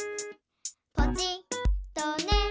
「ポチッとね」